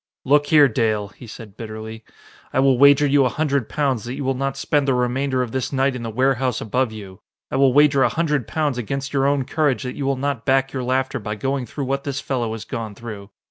"Look here, Dale," he said bitterly, "I will wager you a hundred pounds that you will not spend the remainder of this night in the warehouse above you! I will wager a hundred pounds against your own courage that you will not back your laughter by going through what this fellow has gone through.